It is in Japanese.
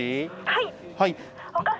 はい。